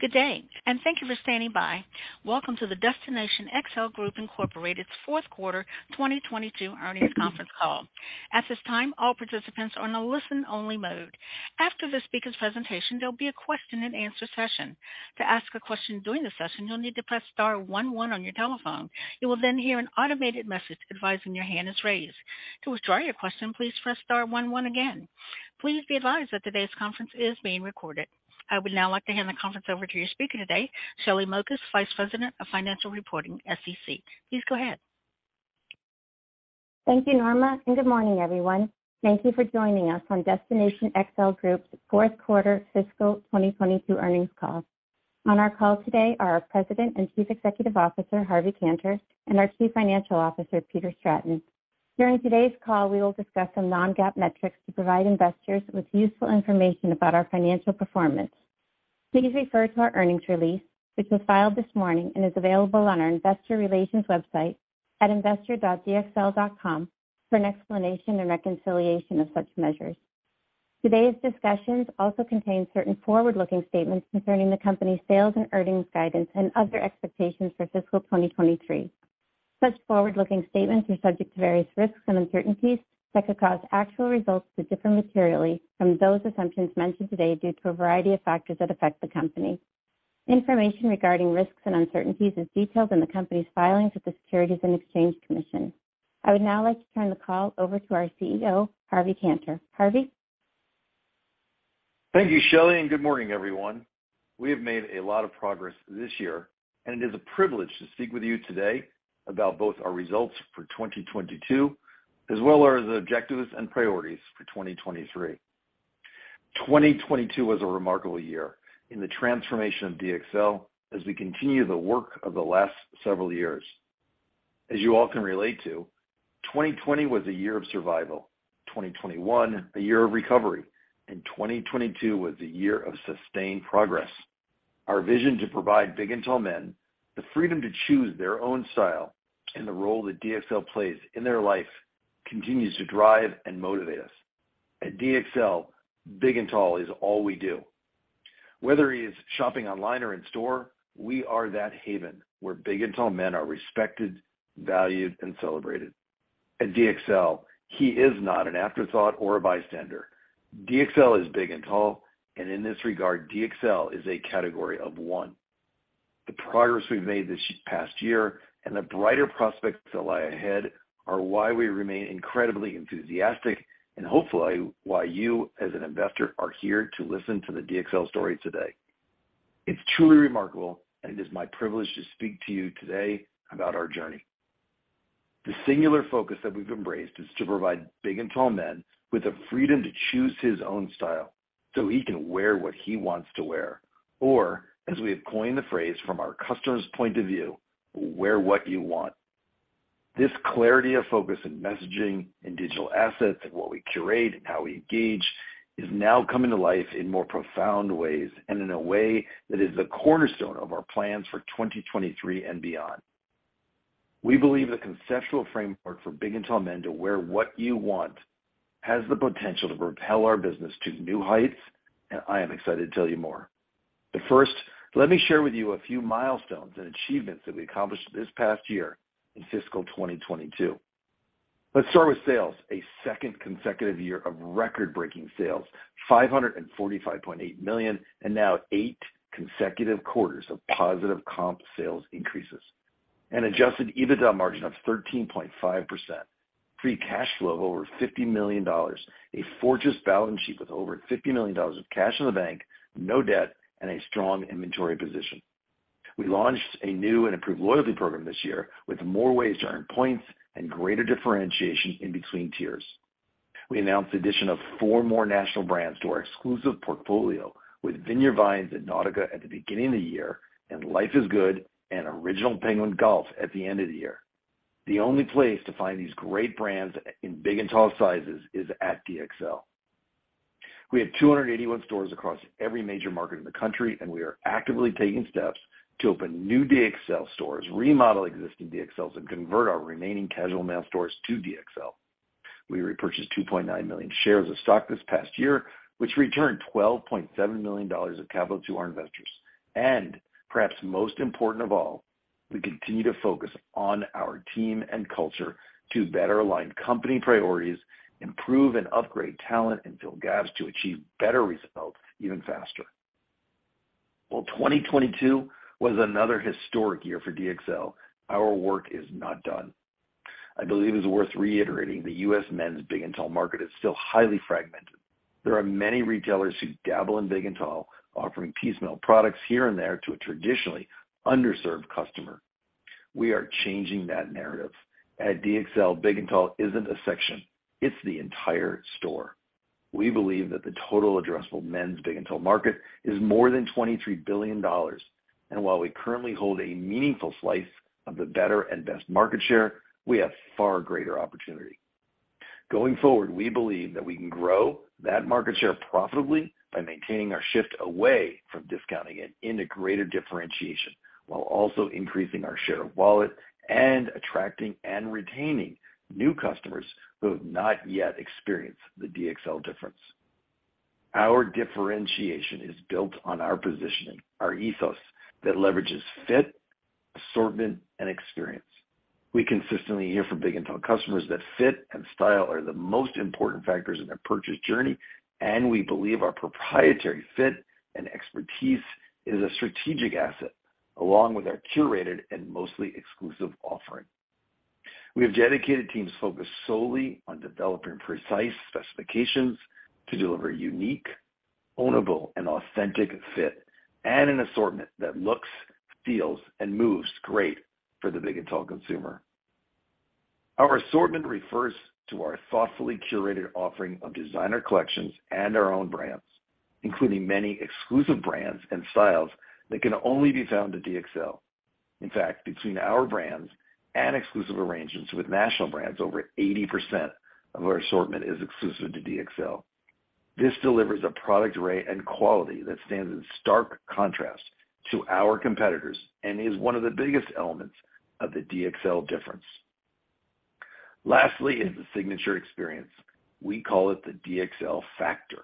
Good day, and thank you for standing by. Welcome to the Destination XL Group, Inc.'s fourth quarter 2022 earnings conference call. At this time, all participants are on a listen-only mode. After the speaker's presentation, there'll be a question and answer session. To ask a question during the session, you'll need to press star one one on your telephone. You will then hear an automated message advising your hand is raised. To withdraw your question, please press star one one again. Please be advised that today's conference is being recorded. I would now like to hand the conference over to your speaker today, Shelly Mokas, Vice President of Financial Reporting, SEC. Please go ahead. Thank you, Norma. Good morning, everyone. Thank you for joining us on Destination XL Group's fourth quarter fiscal 2022 earnings call. On our call today are our President and Chief Executive Officer, Harvey Kanter, and our Chief Financial Officer, Peter Stratton. During today's call, we will discuss some non-GAAP metrics to provide investors with useful information about our financial performance. Please refer to our earnings release, which was filed this morning and is available on our investor relations website at investor.dxl.com for an explanation and reconciliation of such measures. Today's discussions also contain certain forward-looking statements concerning the company's sales and earnings guidance and other expectations for fiscal 2023. Such forward-looking statements are subject to various risks and uncertainties that could cause actual results to differ materially from those assumptions mentioned today due to a variety of factors that affect the company. Information regarding risks and uncertainties is detailed in the company's filings with the Securities and Exchange Commission. I would now like to turn the call over to our CEO, Harvey Kanter. Harvey? Thank you, Shelly, good morning, everyone. We have made a lot of progress this year, it is a privilege to speak with you today about both our results for 2022 as well as our objectives and priorities for 2023. 2022 was a remarkable year in the transformation of DXL as we continue the work of the last several years. As you all can relate to, 2020 was a year of survival, 2021 a year of recovery, 2022 was a year of sustained progress. Our vision to provide big and tall men the freedom to choose their own style and the role that DXL plays in their life continues to drive and motivate us. At DXL, big and tall is all we do. Whether he's shopping online or in store, we are that haven where big and tall men are respected, valued, and celebrated. At DXL, he is not an afterthought or a bystander. DXL is big and tall. In this regard, DXL is a category of one. The progress we've made this past year and the brighter prospects that lie ahead are why we remain incredibly enthusiastic and hopefully why you as an investor are here to listen to the DXL story today. It's truly remarkable. It is my privilege to speak to you today about our journey. The singular focus that we've embraced is to provide big and tall men with the freedom to choose his own style, so he can wear what he wants to wear. As we have coined the phrase from our customer's point of view, Wear What You Want. This clarity of focus in messaging and digital assets and what we curate and how we engage is now coming to life in more profound ways and in a way that is the cornerstone of our plans for 2023 and beyond. We believe the conceptual framework for Big and Tall men to Wear What You Want has the potential to propel our business to new heights, and I am excited to tell you more. First, let me share with you a few milestones and achievements that we accomplished this past year in fiscal 2022. Let's start with sales, a second consecutive year of record-breaking sales, $545.8 million, and now eight consecutive quarters of positive comp sales increases. An adjusted EBITDA margin of 13.5%. Free cash flow of over $50 million. A fortress balance sheet with over $50 million of cash in the bank, no debt, and a strong inventory position. We launched a new and improved loyalty program this year with more ways to earn points and greater differentiation in between tiers. We announced the addition of four more national brands to our exclusive portfolio with Vineyard Vines and Nautica at the beginning of the year and Life is Good and Original Penguin Golf at the end of the year. The only place to find these great brands in big and tall sizes is at DXL. We have 281 stores across every major market in the country, and we are actively taking steps to open new DXL stores, remodel existing DXLs, and convert our remaining Casual Male XL stores to DXL. We repurchased 2.9 million shares of stock this past year, which returned $12.7 million of capital to our investors. Perhaps most important of all, we continue to focus on our team and culture to better align company priorities, improve and upgrade talent, and fill gaps to achieve better results even faster. While 2022 was another historic year for DXL, our work is not done. I believe it's worth reiterating the U.S. men's big and tall market is still highly fragmented. There are many retailers who dabble in big and tall, offering piecemeal products here and there to a traditionally underserved customer. We are changing that narrative. At DXL, big and tall isn't a section, it's the entire store. We believe that the total addressable men's big and tall market is more than $23 billion. While we currently hold a meaningful slice of the better and best market share, we have far greater opportunity. Going forward, we believe that we can grow that market share profitably by maintaining our shift away from discounting it into greater differentiation, while also increasing our share of wallet and attracting and retaining new customers who have not yet experienced the DXL difference. Our differentiation is built on our positioning, our ethos that leverages fit, assortment, and experience. We consistently hear from big and tall customers that fit and style are the most important factors in their purchase journey, and we believe our proprietary fit and expertise is a strategic asset, along with our curated and mostly exclusive offering. We have dedicated teams focused solely on developing precise specifications to deliver unique, ownable and authentic fit and an assortment that looks, feels, and moves great for the big and tall consumer. Our assortment refers to our thoughtfully curated offering of designer collections and our own brands, including many exclusive brands and styles that can only be found at DXL. In fact, between our brands and exclusive arrangements with national brands, over 80% of our assortment is exclusive to DXL. This delivers a product array and quality that stands in stark contrast to our competitors and is one of the biggest elements of the DXL difference. Lastly is the signature experience. We call it the DXL factor.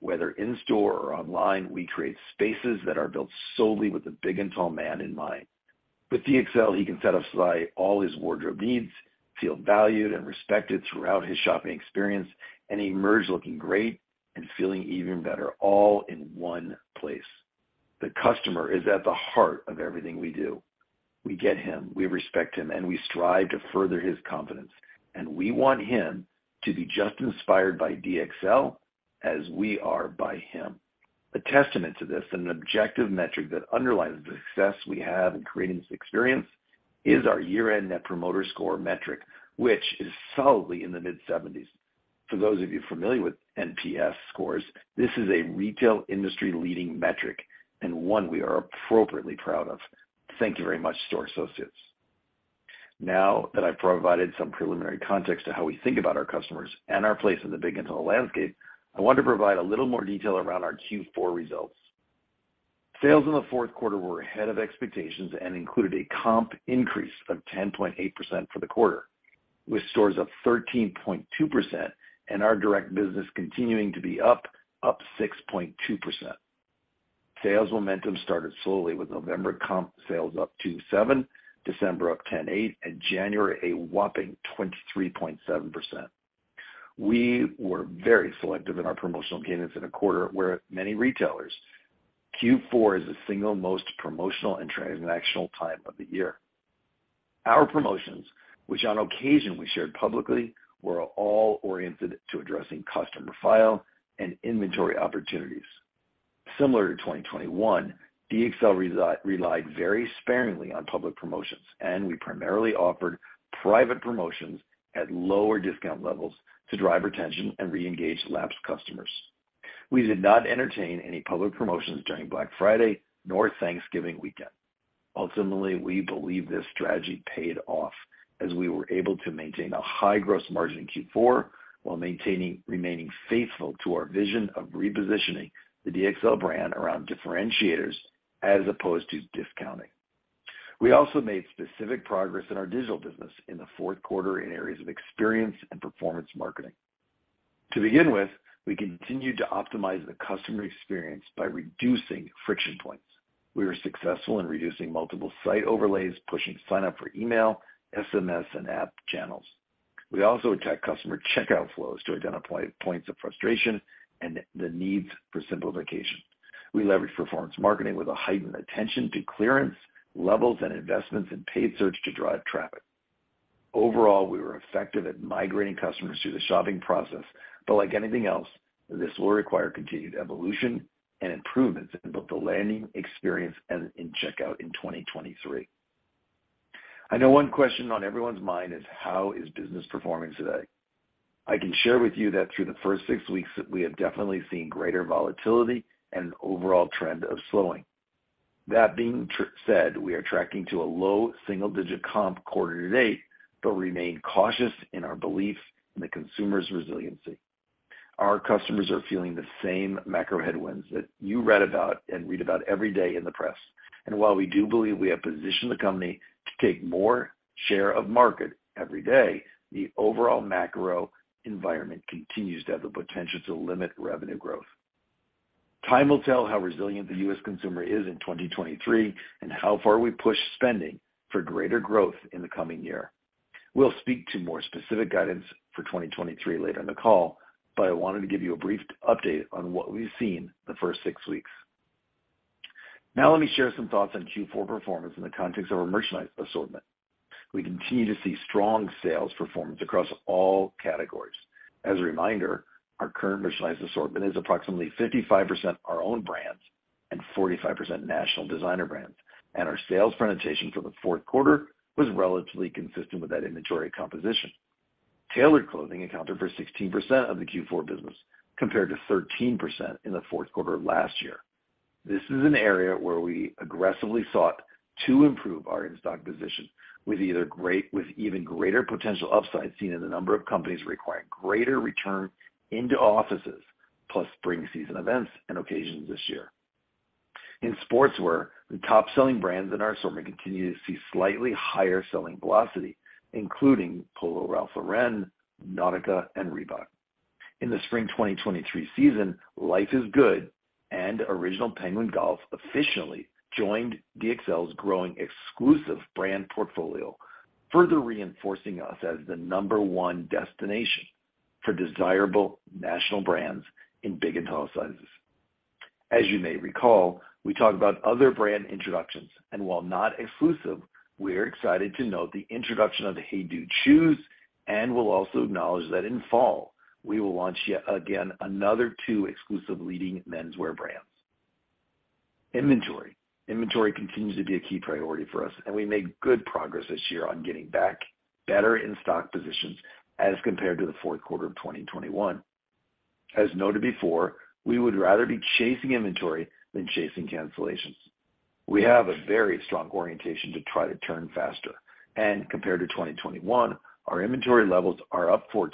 Whether in store or online, we create spaces that are built solely with the big and tall man in mind. With DXL, he can satisfy all his wardrobe needs, feel valued and respected throughout his shopping experience, and emerge looking great and feeling even better, all in one place. The customer is at the heart of everything we do. We get him, we respect him, and we strive to further his confidence. We want him to be just inspired by DXL as we are by him. A testament to this and an objective metric that underlies the success we have in creating this experience is our year-end Net Promoter Score metric, which is solidly in the mid-seventies. For those of you familiar with NPS scores, this is a retail industry leading metric and one we are appropriately proud of. Thank you very much, store associates. Now that I've provided some preliminary context to how we think about our customers and our place in the Big and Tall landscape, I want to provide a little more detail around our Q4 results. Sales in the fourth quarter were ahead of expectations and included a comp increase of 10.8% for the quarter, with stores up 13.2% and our direct business continuing to be up 6.2%. Sales momentum started slowly with November comp sales up 2.7%, December up 10.8%, and January a whopping 23.7%. We were very selective in our promotional cadence in a quarter where many retailers, Q4 is the single most promotional and transactional time of the year. Our promotions, which on occasion we shared publicly, were all oriented to addressing customer file and inventory opportunities. Similar to 2021, DXL relied very sparingly on public promotions. We primarily offered private promotions at lower discount levels to drive retention and reengage lapsed customers. We did not entertain any public promotions during Black Friday nor Thanksgiving weekend. Ultimately, we believe this strategy paid off as we were able to maintain a high gross margin in Q4 while remaining faithful to our vision of repositioning the DXL brand around differentiators as opposed to discounting. We also made specific progress in our digital business in the fourth quarter in areas of experience and performance marketing. To begin with, we continued to optimize the customer experience by reducing friction points. We were successful in reducing multiple site overlays, pushing sign up for email, SMS, and app channels. We also attacked customer checkout flows to identify points of frustration and the needs for simplification. We leveraged performance marketing with a heightened attention to clearance levels and investments in paid search to drive traffic. Overall, we were effective at migrating customers through the shopping process, but like anything else, this will require continued evolution and improvements in both the landing experience and in checkout in 2023. I know one question on everyone's mind is how is business performing today? I can share with you that through the first 6 weeks that we have definitely seen greater volatility and an overall trend of slowing. That being said, we are tracking to a low single-digit comp quarter to date, but remain cautious in our belief in the consumer's resiliency. Our customers are feeling the same macro headwinds that you read about every day in the press. While we do believe we have positioned the company to take more share of market every day, the overall macro environment continues to have the potential to limit revenue growth. Time will tell how resilient the U.S. consumer is in 2023 and how far we push spending for greater growth in the coming year. We'll speak to more specific guidance for 2023 later in the call, but I wanted to give you a brief update on what we've seen the first six weeks. Now let me share some thoughts on Q4 performance in the context of our merchandise assortment. We continue to see strong sales performance across all categories. As a reminder, our current merchandise assortment is approximately 55% our own brands and 45% national designer brands, and our sales presentation for the fourth quarter was relatively consistent with that inventory composition. Tailored clothing accounted for 16% of the Q4 business, compared to 13% in the fourth quarter last year. This is an area where we aggressively sought to improve our in-stock position with even greater potential upside seen in the number of companies requiring greater return into offices, plus spring season events and occasions this year. In sportswear, the top-selling brands in our assortment continue to see slightly higher selling velocity, including Polo Ralph Lauren, Nautica, and Reebok. In the spring 2023 season, Life is Good and Original Penguin Golf officially joined DXL's growing exclusive brand portfolio, further reinforcing us as the number one destination for desirable national brands in big and tall sizes. As you may recall, we talked about other brand introductions, and while not exclusive, we're excited to note the introduction of HEYDUDE Shoes and will also acknowledge that in fall, we will launch yet again another 2 exclusive leading menswear brands. Inventory. Inventory continues to be a key priority for us, and we made good progress this year on getting back better in-stock positions as compared to the fourth quarter of 2021. As noted before, we would rather be chasing inventory than chasing cancellations. We have a very strong orientation to try to turn faster. Compared to 2021, our inventory levels are up 14%.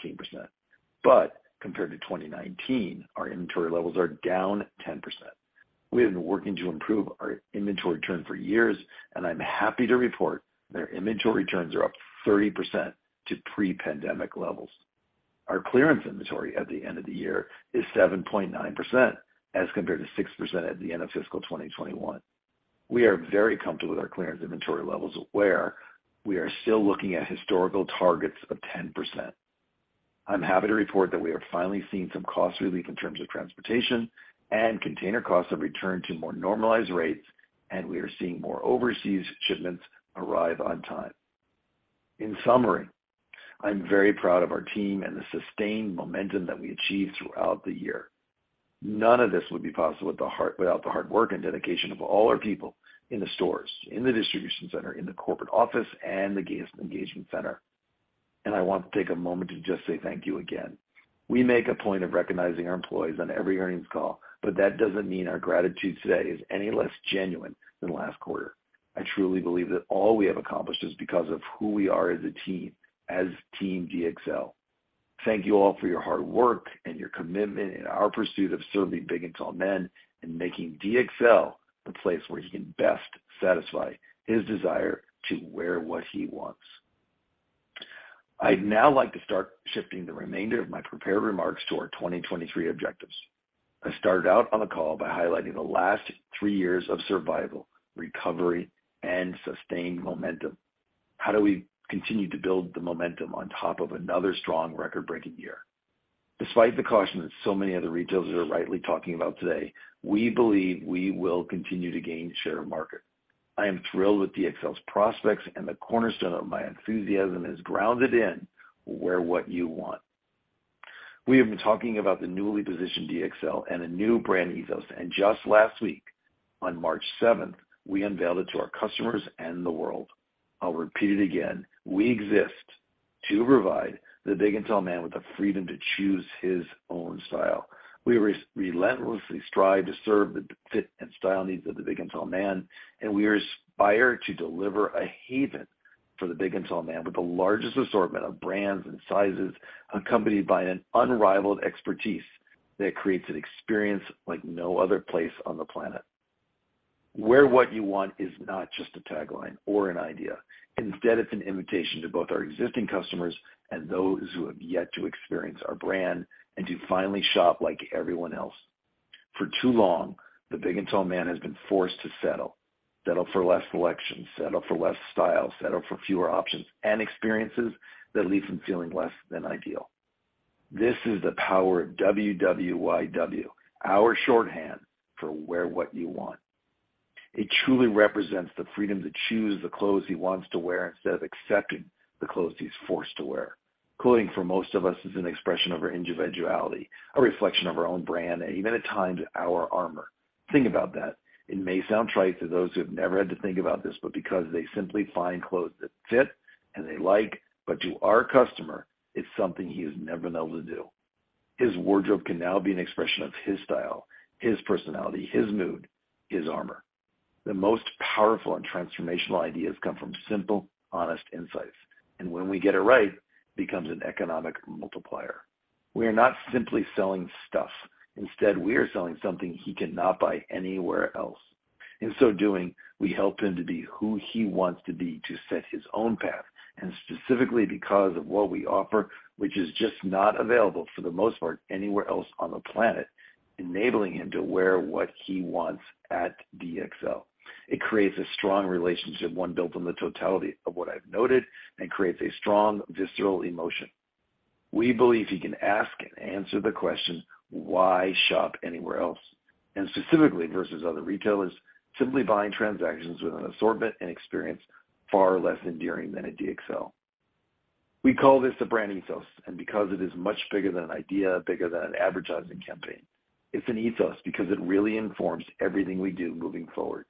Compared to 2019, our inventory levels are down 10%. We have been working to improve our inventory turn for years, and I'm happy to report that our inventory turns are up 30% to pre-pandemic levels. Our clearance inventory at the end of the year is 7.9% as compared to 6% at the end of fiscal 2021. We are very comfortable with our clearance inventory levels, where we are still looking at historical targets of 10%. I'm happy to report that we are finally seeing some cost relief in terms of transportation and container costs have returned to more normalized rates, and we are seeing more overseas shipments arrive on time. In summary, I'm very proud of our team and the sustained momentum that we achieved throughout the year. None of this would be possible without the hard work and dedication of all our people in the stores, in the distribution center, in the corporate office, and the guest engagement center. I want to take a moment to just say thank you again. We make a point of recognizing our employees on every earnings call, but that doesn't mean our gratitude today is any less genuine than last quarter. I truly believe that all we have accomplished is because of who we are as a team, as team DXL. Thank you all for your hard work and your commitment in our pursuit of serving big and tall men and making DXL the place where he can best satisfy his desire to Wear What You Want. I'd now like to start shifting the remainder of my prepared remarks to our 2023 objectives. I started out on the call by highlighting the last three years of survival, recovery, and sustained momentum. How do we continue to build the momentum on top of another strong record-breaking year? Despite the caution that so many other retailers are rightly talking about today, we believe we will continue to gain share of market. I am thrilled with DXL's prospects, and the cornerstone of my enthusiasm is grounded in Wear What You Want. We have been talking about the newly positioned DXL and a new brand ethos, and just last week, on March seventh, we unveiled it to our customers and the world. I'll repeat it again. We relentlessly strive to serve the fit and style needs of the big and tall man, and we aspire to deliver a haven for the big and tall man with the largest assortment of brands and sizes, accompanied by an unrivaled expertise that creates an experience like no other place on the planet. Wear What You Want is not just a tagline or an idea. Instead, it's an invitation to both our existing customers and those who have yet to experience our brand and to finally shop like everyone else. For too long, the big and tall man has been forced to settle for less selection, settle for less style, settle for fewer options and experiences that leave him feeling less than ideal. This is the power of WWYW, our shorthand for Wear What You Want. It truly represents the freedom to choose the clothes he wants to wear instead of accepting the clothes he's forced to wear. Clothing for most of us is an expression of our individuality, a reflection of our own brand, and even at times our armor. Think about that. It may sound trite to those who have never had to think about this, but because they simply find clothes that fit and they like, but to our customer, it's something he has never been able to do. His wardrobe can now be an expression of his style, his personality, his mood, his armor. The most powerful and transformational ideas come from simple, honest insights. When we get it right, becomes an economic multiplier. We are not simply selling stuff. Instead, we are selling something he cannot buy anywhere else. In so doing, we help him to be who he wants to be, to set his own path, and specifically because of what we offer, which is just not available for the most part anywhere else on the planet, enabling him to wear what he wants at DXL. It creates a strong relationship, one built on the totality of what I've noted and creates a strong visceral emotion. We believe he can ask and answer the question, why shop anywhere else? Specifically versus other retailers, simply buying transactions with an assortment and experience far less endearing than at DXL. We call this a brand ethos, and because it is much bigger than an idea, bigger than an advertising campaign. It's an ethos because it really informs everything we do moving forward,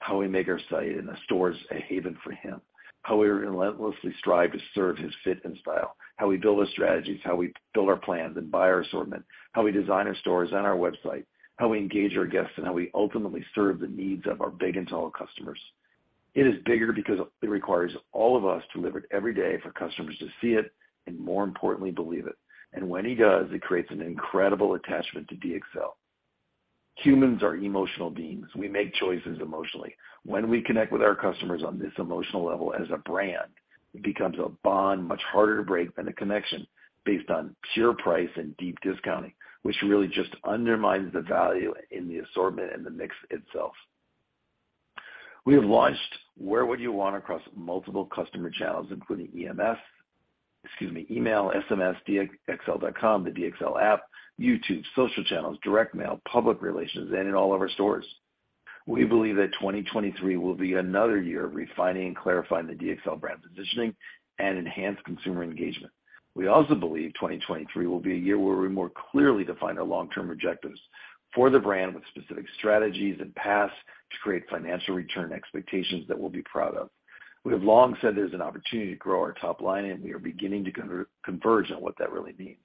how we make our site and the stores a haven for him, how we relentlessly strive to serve his fit and style, how we build our strategies, how we build our plans and buy our assortment, how we design our stores and our website, how we engage our guests, and how we ultimately serve the needs of our big and tall customers. It is bigger because it requires all of us to live it every day for customers to see it, and more importantly, believe it. When he does, it creates an incredible attachment to DXL. Humans are emotional beings. We make choices emotionally. When we connect with our customers on this emotional level as a brand, it becomes a bond much harder to break than a connection based on pure price and deep discounting, which really just undermines the value in the assortment and the mix itself. We have launched Wear What You Want across multiple customer channels, including email, SMS, dxl.com, the DXL app, YouTube, social channels, direct mail, public relations, and in all of our stores. We believe that 2023 will be another year of refining and clarifying the DXL brand positioning and enhanced consumer engagement. We also believe 2023 will be a year where we more clearly define our long-term objectives for the brand with specific strategies and paths to create financial return expectations that we'll be proud of. We have long said there's an opportunity to grow our top line, we are beginning to converge on what that really means.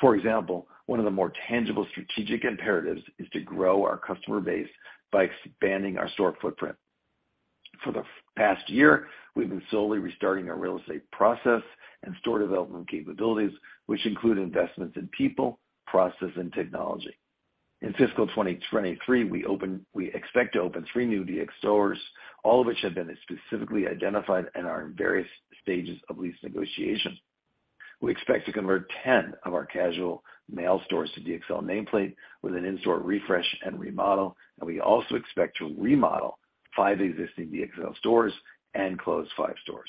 For example, one of the more tangible strategic imperatives is to grow our customer base by expanding our store footprint. For the past year, we've been solely restarting our real estate process and store development capabilities, which include investments in people, process, and technology. In fiscal 2023, we expect to open 3 new DXL stores, all of which have been specifically identified and are in various stages of lease negotiation. We expect to convert 10 of our Casual Male XL stores to DXL nameplate with an in-store refresh and remodel, we also expect to remodel 5 existing DXL stores and close 5 stores.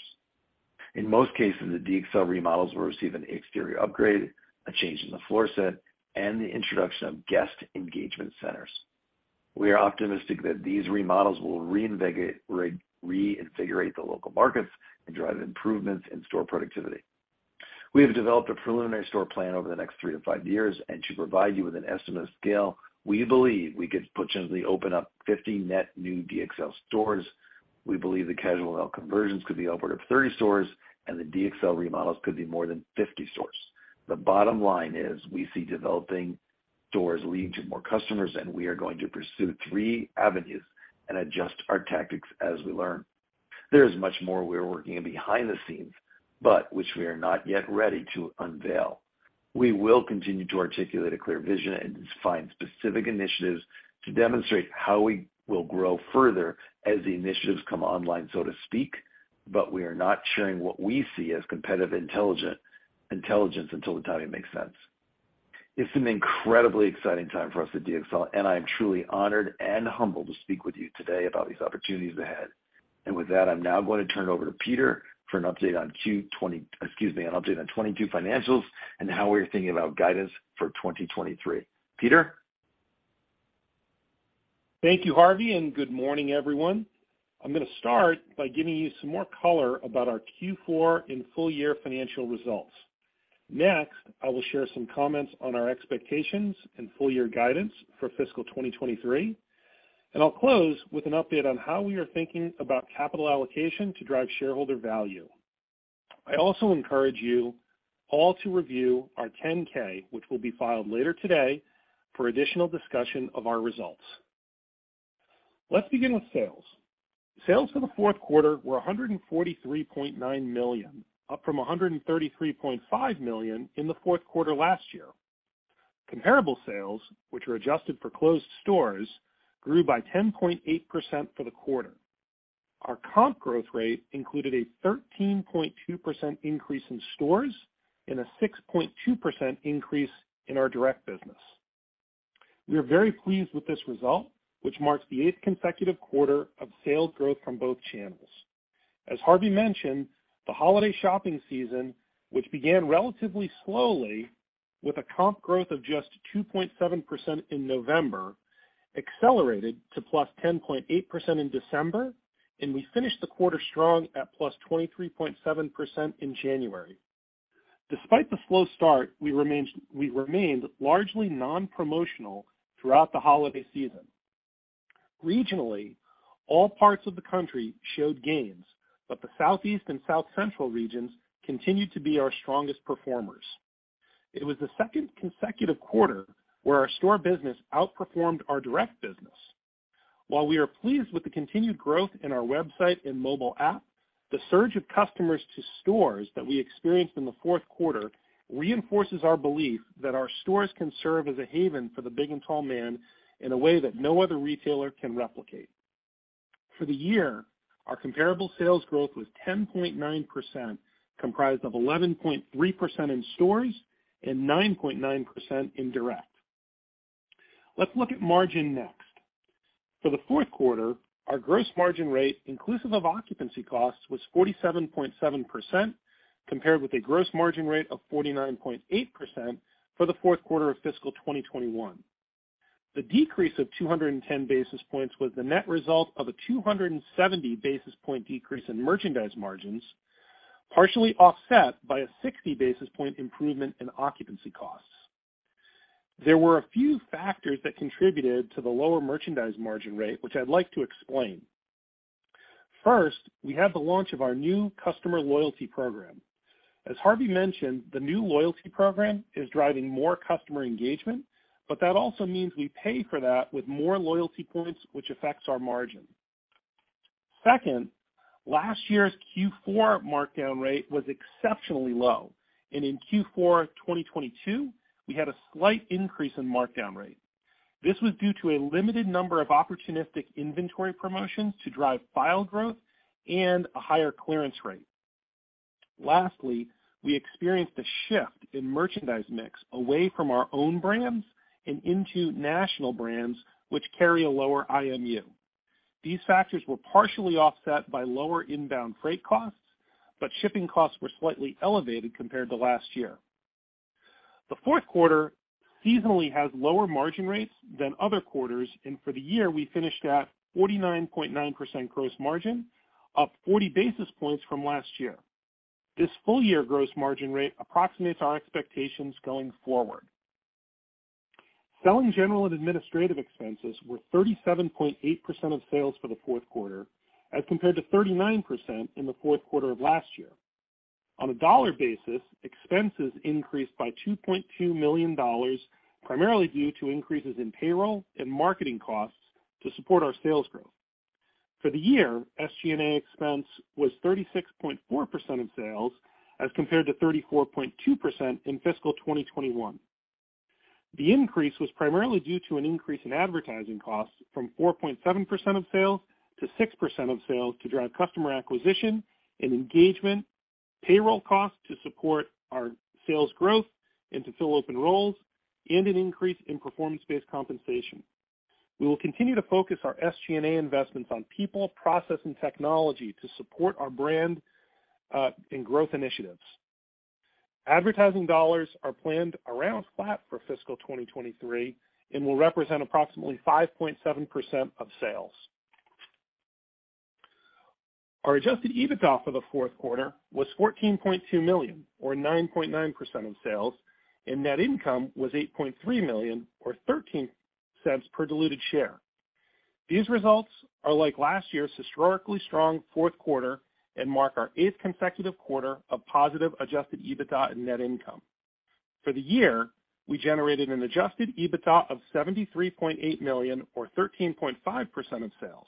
In most cases, the DXL remodels will receive an exterior upgrade, a change in the floor set, and the introduction of guest engagement centers. We are optimistic that these remodels will reinvigorate, reintegrate the local markets and drive improvements in store productivity. We have developed a preliminary store plan over the next 3 to 5 years. To provide you with an estimate of scale, we believe we could potentially open up 50 net new DXL stores. We believe the Casual Male conversions could be upward of 30 stores, and the DXL remodels could be more than 50 stores. The bottom line is we see developing stores lead to more customers, and we are going to pursue 3 avenues and adjust our tactics as we learn. There is much more we're working behind the scenes, which we are not yet ready to unveil. We will continue to articulate a clear vision and find specific initiatives to demonstrate how we will grow further as the initiatives come online, so to speak, but we are not sharing what we see as competitive intelligence until the time it makes sense. It's an incredibly exciting time for us at DXL, and I am truly honored and humbled to speak with you today about these opportunities ahead. With that, I'm now going to turn it over to Peter for an update on 22 financials and how we're thinking about guidance for 2023. Peter? Thank you, Harvey, and good morning, everyone. I'm gonna start by giving you some more color about our Q4 and full year financial results. Next, I will share some comments on our expectations and full year guidance for fiscal 2023. I'll close with an update on how we are thinking about capital allocation to drive shareholder value. I also encourage you all to review our 10-K, which will be filed later today for additional discussion of our results. Let's begin with sales. Sales for the fourth quarter were $143.9 million, up from $133.5 million in the fourth quarter last year. Comparable sales, which are adjusted for closed stores, grew by 10.8% for the quarter. Our comp growth rate included a 13.2% increase in stores and a 6.2% increase in our direct business. We are very pleased with this result, which marks the eighth consecutive quarter of sales growth from both channels. As Harvey mentioned, the holiday shopping season, which began relatively slowly with a comp growth of just 2.7% in November, accelerated to +10.8% in December, and we finished the quarter strong at +23.7% in January. Despite the slow start, we remained largely non-promotional throughout the holiday season. Regionally, all parts of the country showed gains, but the Southeast and South Central regions continued to be our strongest performers. It was the second consecutive quarter where our store business outperformed our direct business. While we are pleased with the continued growth in our website and mobile app, the surge of customers to stores that we experienced in the fourth quarter reinforces our belief that our stores can serve as a haven for the big and tall man in a way that no other retailer can replicate. For the year, our comparable sales growth was 10.9%, comprised of 11.3% in stores and 9.9% in direct. Let's look at margin next. For the fourth quarter, our gross margin rate, inclusive of occupancy costs, was 47.7% compared with a gross margin rate of 49.8% for the fourth quarter of fiscal 2021. The decrease of 210 basis points was the net result of a 270 basis point decrease in merchandise margins, partially offset by a 60 basis point improvement in occupancy costs. There were a few factors that contributed to the lower merchandise margin rate, which I'd like to explain. First, we have the launch of our new customer loyalty program. As Harvey mentioned, the new loyalty program is driving more customer engagement, but that also means we pay for that with more loyalty points, which affects our margin. Second, last year's Q4 markdown rate was exceptionally low, and in Q4 2022, we had a slight increase in markdown rate. This was due to a limited number of opportunistic inventory promotions to drive file growth and a higher clearance rate. Lastly, we experienced a shift in merchandise mix away from our own brands and into national brands, which carry a lower IMU. These factors were partially offset by lower inbound freight costs, but shipping costs were slightly elevated compared to last year. The fourth quarter seasonally has lower margin rates than other quarters, and for the year, we finished at 49.9% gross margin, up 40 basis points from last year. This full-year gross margin rate approximates our expectations going forward. Selling, general, and administrative expenses were 37.8% of sales for the fourth quarter as compared to 39% in the fourth quarter of last year. On a dollar basis, expenses increased by $2.2 million, primarily due to increases in payroll and marketing costs to support our sales growth. For the year, SG&A expense was 36.4% of sales as compared to 34.2% in fiscal 2021. The increase was primarily due to an increase in advertising costs from 4.7% of sales to 6% of sales to drive customer acquisition and engagement, payroll costs to support our sales growth and to fill open roles, and an increase in performance-based compensation. We will continue to focus our SG&A investments on people, process, and technology to support our brand and growth initiatives. Advertising dollars are planned around flat for fiscal 2023 and will represent approximately 5.7% of sales. Our adjusted EBITDA for the fourth quarter was $14.2 million, or 9.9% of sales, and net income was $8.3 million or $0.13 per diluted share. These results are like last year's historically strong fourth quarter and mark our 8th consecutive quarter of positive adjusted EBITDA and net income. For the year, we generated an adjusted EBITDA of $73.8 million or 13.5% of sales.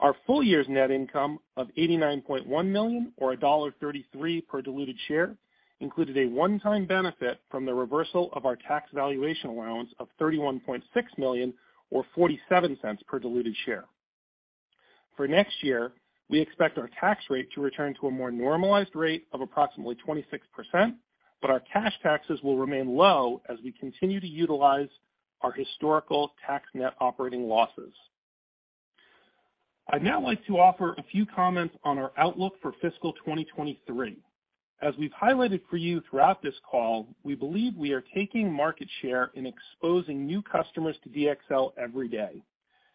Our full year's net income of $89.1 million or $1.33 per diluted share included a one-time benefit from the reversal of our tax valuation allowance of $31.6 million or $0.47 per diluted share. For next year, we expect our tax rate to return to a more normalized rate of approximately 26%, but our cash taxes will remain low as we continue to utilize our historical tax net operating losses. I'd now like to offer a few comments on our outlook for fiscal 2023. As we've highlighted for you throughout this call, we believe we are taking market share and exposing new customers to DXL every day.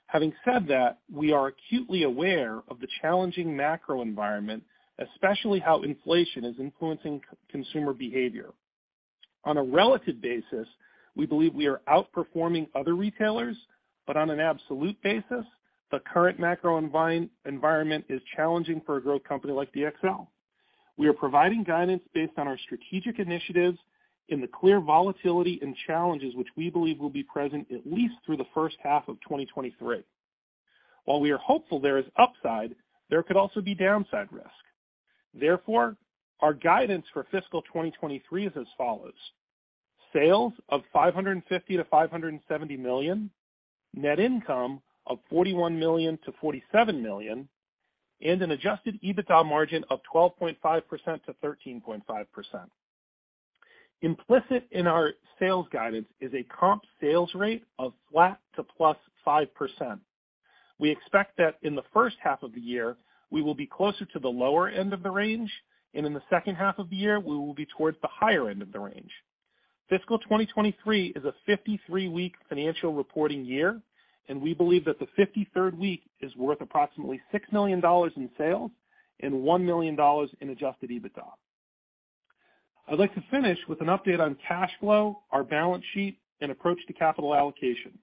Having said that, we are acutely aware of the challenging macro environment, especially how inflation is influencing consumer behavior. On a relative basis, we believe we are outperforming other retailers, but on an absolute basis, the current macro environment is challenging for a growth company like DXL. We are providing guidance based on our strategic initiatives in the clear volatility and challenges which we believe will be present at least through the first half of 2023. While we are hopeful there is upside, there could also be downside risk. Therefore, our guidance for fiscal 2023 is as follows: sales of $550 million-$570 million, net income of $41 million-$47 million, and an adjusted EBITDA margin of 12.5%-13.5%. Implicit in our sales guidance is a comp sales rate of flat to +5%. We expect that in the first half of the year, we will be closer to the lower end of the range, and in the second half of the year, we will be towards the higher end of the range. Fiscal 2023 is a 53-week financial reporting year, and we believe that the 53rd week is worth approximately $6 million in sales and $1 million in adjusted EBITDA. I'd like to finish with an update on cash flow, our balance sheet, and approach to capital allocation.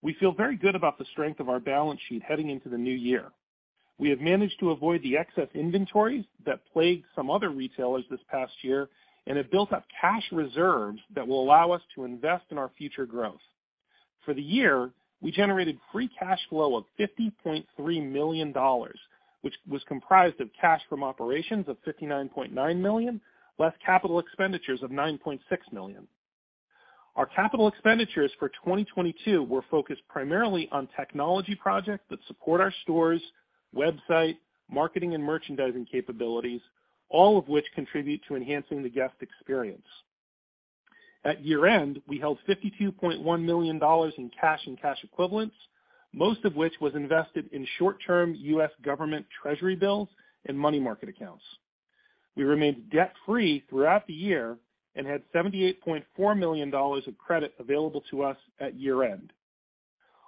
We feel very good about the strength of our balance sheet heading into the new year. We have managed to avoid the excess inventories that plagued some other retailers this past year and have built up cash reserves that will allow us to invest in our future growth. For the year, we generated free cash flow of $50.3 million, which was comprised of cash from operations of $59.9 million, less capital expenditures of $9.6 million. Our capital expenditures for 2022 were focused primarily on technology projects that support our stores, website, marketing, and merchandising capabilities, all of which contribute to enhancing the guest experience. At year-end, we held $52.1 million in cash and cash equivalents, most of which was invested in short-term U.S. Treasury Bills and money market accounts. We remained debt-free throughout the year and had $78.4 million of credit available to us at year-end.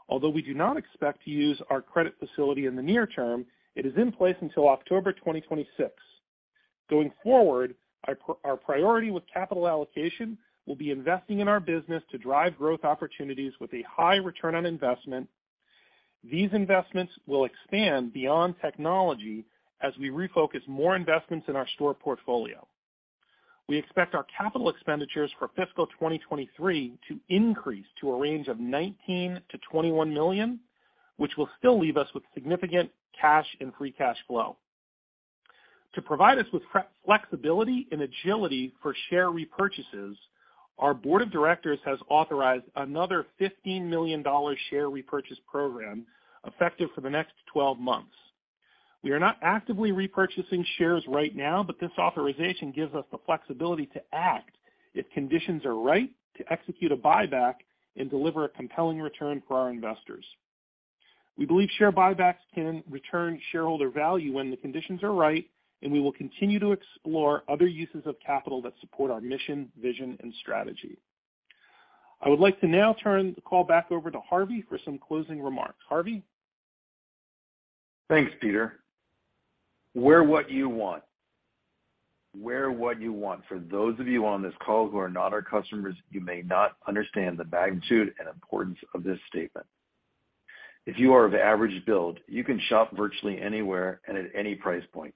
Although we do not expect to use our credit facility in the near term, it is in place until October 2026. Going forward, our priority with capital allocation will be investing in our business to drive growth opportunities with a high return on investment. These investments will expand beyond technology as we refocus more investments in our store portfolio. We expect our capital expenditures for fiscal 2023 to increase to a range of $19 million-$21 million, which will still leave us with significant cash and free cash flow. To provide us with flexibility and agility for share repurchases, our Board of Directors has authorized another $15 million share repurchase program effective for the next 12 months. We are not actively repurchasing shares right now, but this authorization gives us the flexibility to act if conditions are right to execute a buyback and deliver a compelling return for our investors. We believe share buybacks can return shareholder value when the conditions are right. We will continue to explore other uses of capital that support our mission, vision and strategy. I would like to now turn the call back over to Harvey for some closing remarks. Harvey? Thanks, Peter. Wear What You Want. Wear What You Want. For those of you on this call who not our customers, you may not understand the magnitude and importance of this statement. If you are of average build, you can shop virtually anywhere and at any price point.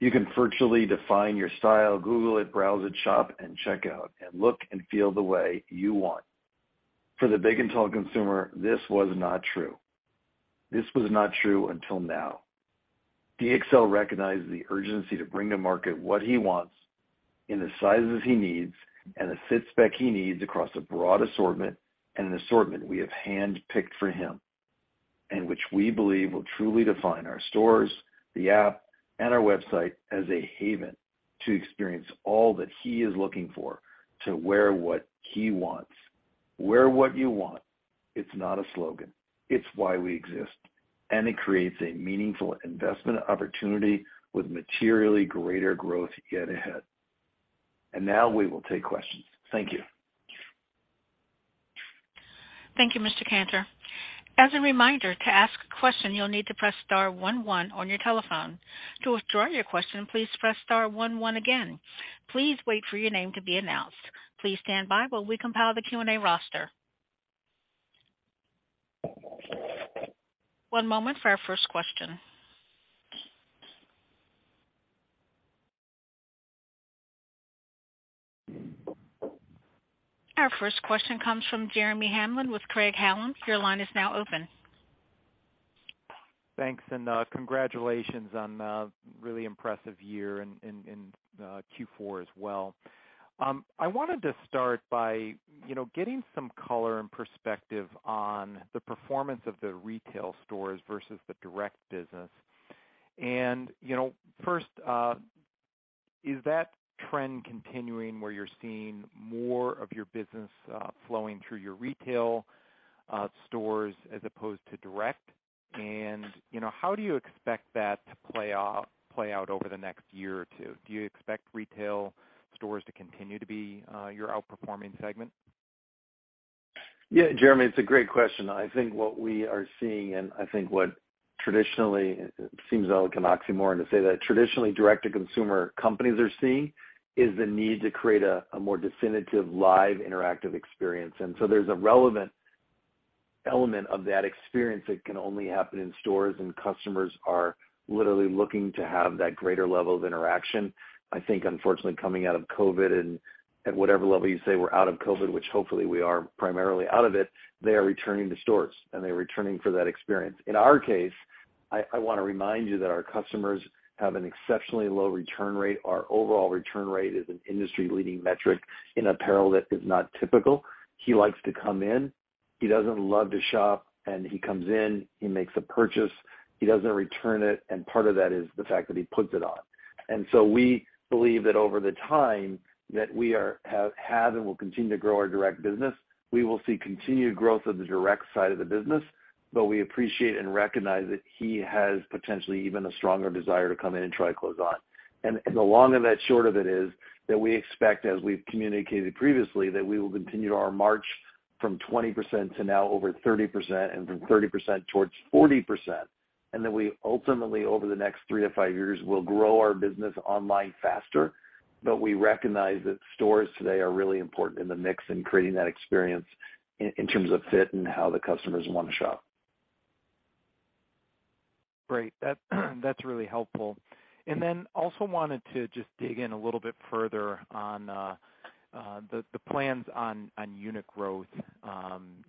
You can virtually define your style, Google it, browse it, shop and checkout, and look and feel the way you want. For the big and tall consumer, this was not true. This was not true until now. DXL recognizes the urgency to bring to market what he wants in the sizes he needs and the fit spec he needs across a broad assortment, and an assortment we have handpicked for him, and which we believe will truly define our stores, the app, and our website as a haven to experience all that he is looking for to wear what he wants. Wear What You Want. It's not a slogan. It's why we exist, and it creates a meaningful investment opportunity with materially greater growth yet ahead. Now we will take questions. Thank you. Thank you, Mr. Kanter. As a reminder, to ask a question, you'll need to press star one one on your telephone. To withdraw your question, please press star one one again. Please wait for your name to be announced. Please stand by while we compile the Q&A roster. One moment for our first question. Our first question comes from Jeremy Hamblin with Craig-Hallum. Your line is now open. Thanks, and congratulations on a really impressive year in Q4 as well. I wanted to start by, you know, getting some color and perspective on the performance of the retail stores versus the direct business. You know, first, is that trend continuing where you're seeing more of your business flowing through your retail stores as opposed to direct? You know, how do you expect that to play out over the next year or two? Do you expect retail stores to continue to be your outperforming segment? Yeah, Jeremy, it's a great question. I think what we are seeing, and I think what traditionally, it seems like an oxymoron to say that traditionally direct-to-consumer companies are seeing, is the need to create a more definitive live interactive experience. There's a relevant element of that experience that can only happen in stores, and customers are literally looking to have that greater level of interaction. I think, unfortunately, coming out of COVID and at whatever level you say we're out of COVID, which hopefully we are primarily out of it, they are returning to stores, and they're returning for that experience. In our case, I wanna remind you that our customers have an exceptionally low return rate. Our overall return rate is an industry-leading metric in apparel that is not typical. He likes to come in. He doesn't love to shop, and he comes in, he makes a purchase, he doesn't return it, and part of that is the fact that he puts it on. We believe that over the time that we have and will continue to grow our direct business, we will see continued growth of the direct side of the business, but we appreciate and recognize that he has potentially even a stronger desire to come in and try clothes on. The long of that short of it is that we expect, as we've communicated previously, that we will continue our march from 20% to now over 30% and from 30% towards 40%. We ultimately, over the next 3-5 years, will grow our business online faster. We recognize that stores today are really important in the mix in creating that experience in terms of fit and how the customers wanna shop. Great. That's really helpful. Then also wanted to just dig in a little bit further on the plans on unit growth,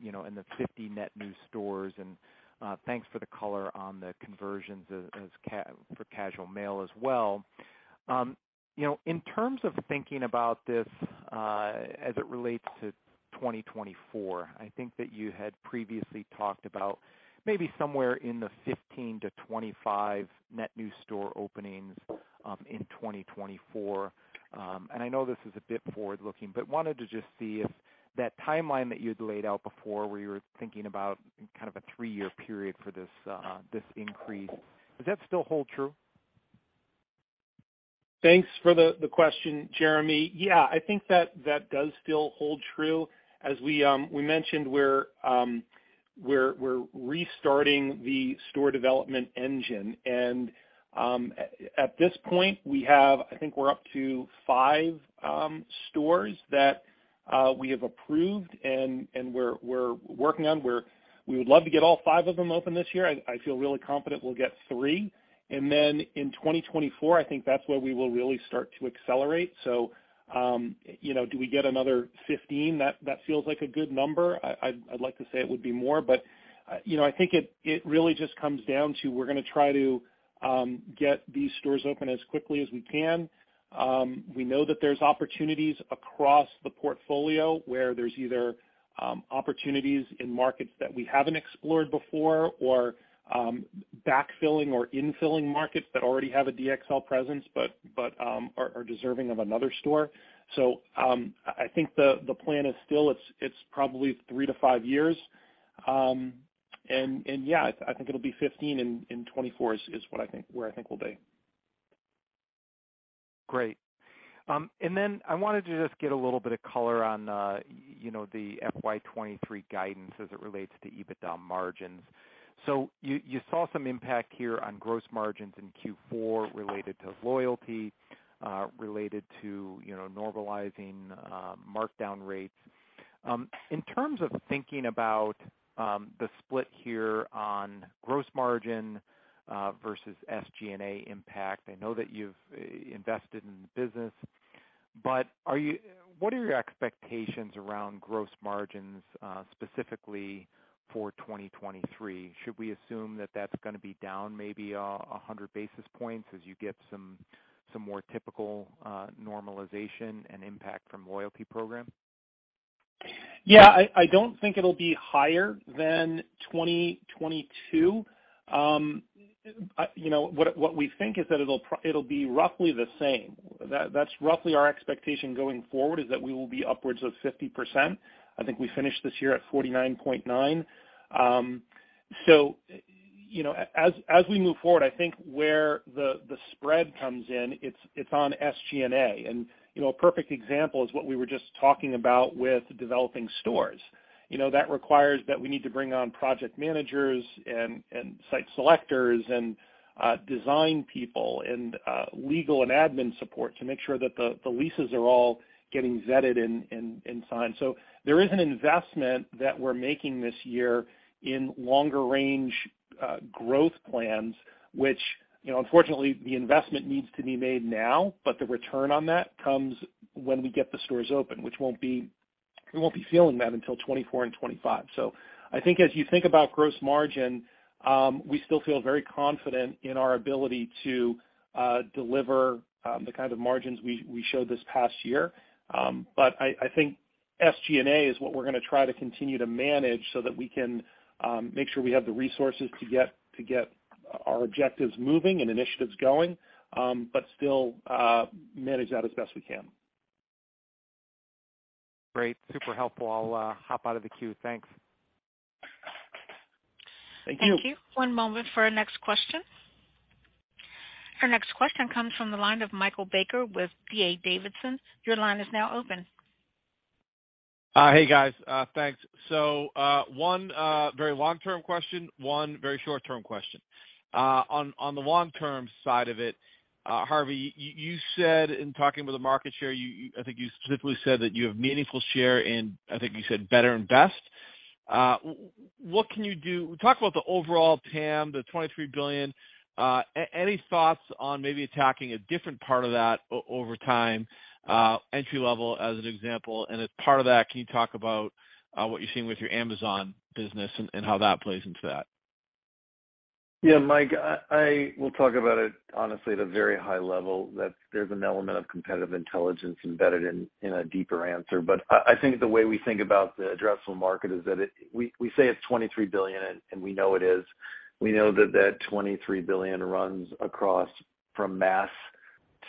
you know, and the 50 net new stores. Thanks for the color on the conversions for Casual Male as well. You know, in terms of thinking about this as it relates to 2024, I think that you had previously talked about maybe somewhere in the 15 to 25 net new store openings in 2024. I know this is a bit forward-looking, but wanted to just see if that timeline that you'd laid out before where you were thinking about kind of a 3-year period for this increase, does that still hold true? Thanks for the question, Jeremy. Yeah. I think that does still hold true. As we mentioned, we're restarting the store development engine. At this point, we have. I think we're up to five stores that We have approved and we're working on where we would love to get all 5 of them open this year. I feel really confident we'll get 3. In 2024, I think that's where we will really start to accelerate. You know, do we get another 15? That feels like a good number. I'd like to say it would be more, but, you know, I think it really just comes down to we're gonna try to get these stores open as quickly as we can. We know that there's opportunities across the portfolio where there's either opportunities in markets that we haven't explored before or backfilling or infilling markets that already have a DXL presence but are deserving of another store. I think the plan is still it's probably three to five years. Yeah, I think it'll be 15 in 2024 is what I think, where I think we'll be. Great. Then I wanted to just get a little bit of color on, you know, the FY 2023 guidance as it relates to EBITDA margins. You, you saw some impact here on gross margins in Q4 related to loyalty, related to, you know, normalizing markdown rates. In terms of thinking about the split here on gross margin versus SG&A impact, I know that you've invested in the business. What are your expectations around gross margins specifically for 2023? Should we assume that that's gonna be down maybe 100 basis points as you get some more typical normalization and impact from loyalty program? I don't think it'll be higher than 2022. You know, what we think is that it'll be roughly the same. That's roughly our expectation going forward, is that we will be upwards of 50%. I think we finished this year at 49.9. You know, as we move forward, I think where the spread comes in, it's on SG&A. You know, a perfect example is what we were just talking about with developing stores. You know, that requires that we need to bring on project managers and site selectors and design people and legal and admin support to make sure that the leases are all getting vetted and signed. There is an investment that we're making this year in longer range growth plans, which, you know, unfortunately, the investment needs to be made now, but the return on that comes when we get the stores open, which won't be feeling that until 2024 and 2025. I think as you think about gross margin, we still feel very confident in our ability to deliver the kind of margins we showed this past year. But I think SG&A is what we're gonna try to continue to manage so that we can make sure we have the resources to get our objectives moving and initiatives going, but still manage that as best we can. Great. Super helpful. I'll hop out of the queue. Thanks. Thank you. Thank you. One moment for our next question. Our next question comes from the line of Michael Baker with D.A. Davidson. Your line is now open. Hey, guys. Thanks. One very long-term question, one very short-term question. On the long-term side of it, Harvey Kanter, you said in talking about the market share, you, I think you specifically said that you have meaningful share in, I think you said better and best. What can you do? Talk about the overall TAM, the $23 billion. Any thoughts on maybe attacking a different part of that over time, entry level as an example? As part of that, can you talk about what you're seeing with your Amazon business and how that plays into that? Yeah, Mike, I will talk about it honestly at a very high level, that there's an element of competitive intelligence embedded in a deeper answer. I think the way we think about the addressable market is that We say it's $23 billion, and we know it is. We know that $23 billion runs across from mass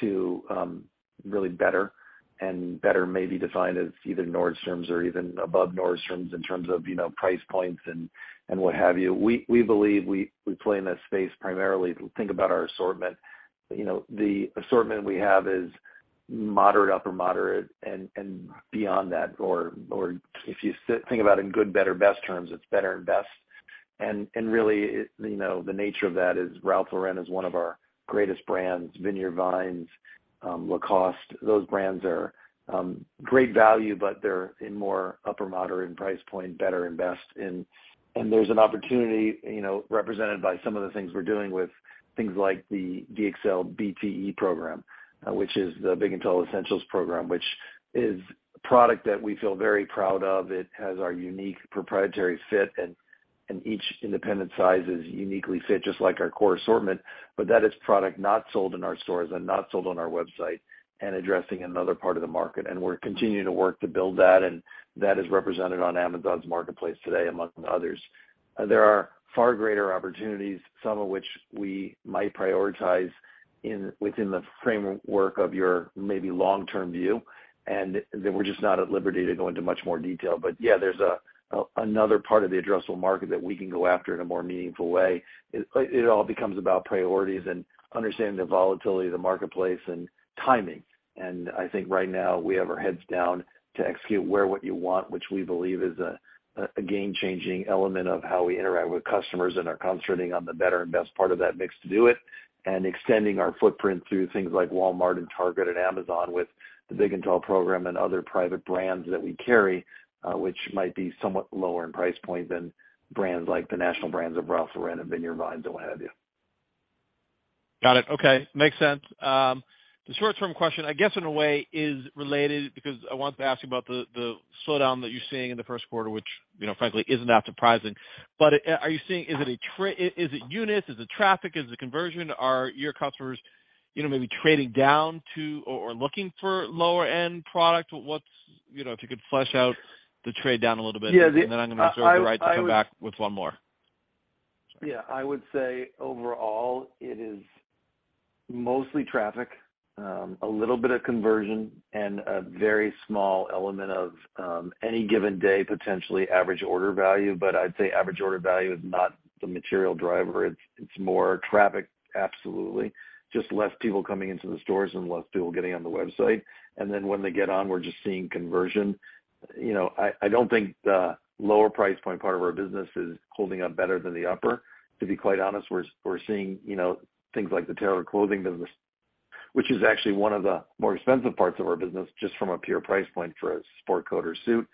to really better, and better may be defined as either Nordstrom's or even above Nordstrom's in terms of, you know, price points and what have you. We believe we play in that space primarily. Think about our assortment. You know, the assortment we have is moderate, upper moderate, and beyond that, or if you think about in good, better, best terms, it's better and best. Really, you know, the nature of that is Ralph Lauren is one of our greatest brands, vineyard vines, Lacoste. Those brands are great value, but they're in more upper moderate in price point, better and best. There's an opportunity, you know, represented by some of the things we're doing with things like the DXL BTE program, which is the Big and Tall Essentials program, which is a product that we feel very proud of. It has our unique proprietary fit, and each independent size is uniquely fit, just like our core assortment. That is product not sold in our stores and not sold on our website and addressing another part of the market. We're continuing to work to build that, and that is represented on Amazon's marketplace today among others. There are far greater opportunities, some of which we might prioritize in, within the framework of your maybe long-term view. We're just not at liberty to go into much more detail. Yeah, there's another part of the addressable market that we can go after in a more meaningful way. It all becomes about priorities and understanding the volatility of the marketplace and timing. I think right now we have our heads down to execute Wear What You Want, which we believe is a game-changing element of how we interact with customers and are concentrating on the better and best part of that mix to do it, and extending our footprint through things like Walmart and Target and Amazon with the Big and Tall program and other private brands that we carry, which might be somewhat lower in price point than brands like the national brands of Ralph Lauren and vineyard vines and what have you. Got it. Okay. Makes sense. The short term question, I guess, in a way, is related because I wanted to ask you about the slowdown that you're seeing in the first quarter which, you know, frankly, isn't that surprising. Are you seeing, is it units? Is it traffic? Is it conversion? Are your customers, you know, maybe trading down to or looking for lower end product? What's, you know, if you could flesh out the trade down a little bit. Yeah, the... I... I'm gonna reserve the right to come back with one more. Yeah. I would say overall it is mostly traffic, a little bit of conversion and a very small element of any given day, potentially average order value. I'd say average order value is not the material driver. It's more traffic, absolutely. Just less people coming into the stores and less people getting on the website. When they get on, we're just seeing conversion. You know, I don't think the lower price point part of our business is holding up better than the upper, to be quite honest. We're seeing, you know, things like the tailored clothing business, which is actually one of the more expensive parts of our business, just from a pure price point for a sport coat or suit,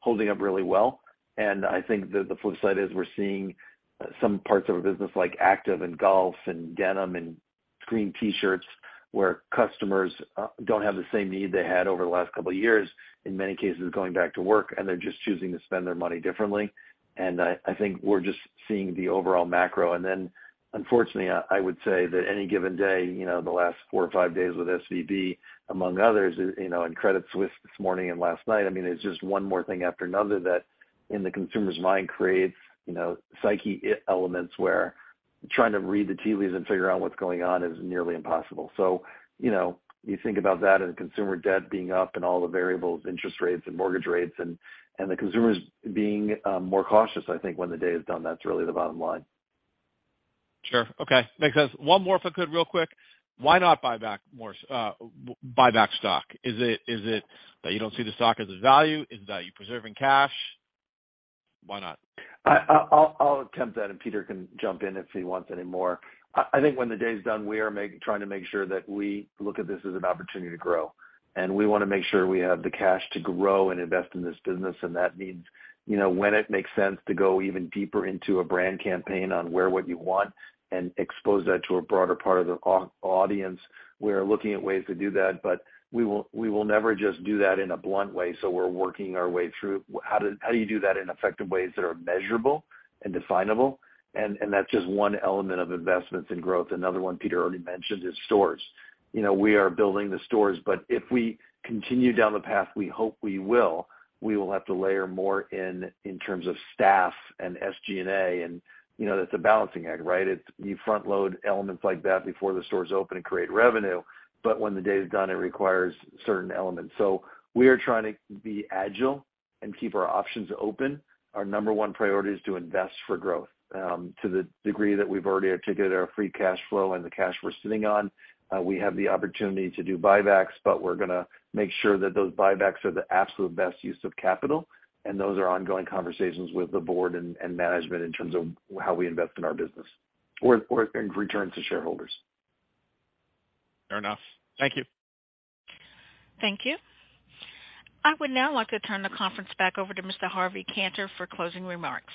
holding up really well. I think that the flip side is we're seeing some parts of a business like active and golf and denim and screen T-shirts where customers don't have the same need they had over the last couple of years, in many cases going back to work, and they're just choosing to spend their money differently. I think we're just seeing the overall macro. Unfortunately, I would say that any given day, you know, the last four or five days with SVB, among others, you know, and Credit Suisse this morning and last night, I mean, it's just one more thing after another that in the consumer's mind creates, you know, psyche e-elements where trying to read the tea leaves and figure out what's going on is nearly impossible. You know, you think about that and consumer debt being up and all the variables, interest rates and mortgage rates and the consumers being more cautious. I think when the day is done, that's really the bottom line. Sure. Okay. Makes sense. One more if I could real quick. Why not buy back more stock? Is it that you don't see the stock as a value? Is that you preserving cash? Why not? I'll attempt that. Peter can jump in if he wants any more. I think when the day is done, we are trying to make sure that we look at this as an opportunity to grow, and we wanna make sure we have the cash to grow and invest in this business. That means, you know, when it makes sense to go even deeper into a brand campaign on Wear What You Want and expose that to a broader part of the audience. We are looking at ways to do that, but we will never just do that in a blunt way, so we're working our way through how do you do that in effective ways that are measurable and definable. That's just one element of investments in growth. Another one Peter already mentioned is stores. You know, we are building the stores, but if we continue down the path we hope we will, we will have to layer more in terms of staff and SG&A and, you know, that's a balancing act, right? You front load elements like that before the stores open and create revenue. When the day is done, it requires certain elements. We are trying to be agile and keep our options open. Our number one priority is to invest for growth. To the degree that we've already articulated our free cash flow and the cash we're sitting on, we have the opportunity to do buybacks, but we're gonna make sure that those buybacks are the absolute best use of capital, and those are ongoing conversations with the board and management in terms of how we invest in our business or in returns to shareholders. Fair enough. Thank you. Thank you. I would now like to turn the conference back over to Mr. Harvey Kanter for closing remarks.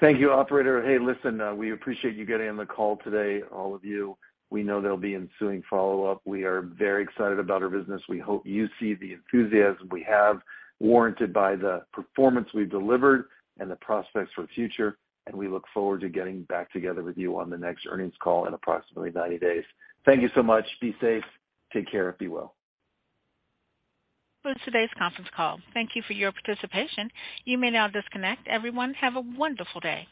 Thank you, operator. Hey, listen, we appreciate you getting on the call today, all of you. We know there'll be ensuing follow-up. We are very excited about our business. We hope you see the enthusiasm we have warranted by the performance we've delivered and the prospects for the future, and we look forward to getting back together with you on the next earnings call in approximately 90 days. Thank you so much. Be safe. Take care. Be well. That's today's conference call. Thank you for your participation. You may now disconnect. Everyone, have a wonderful day.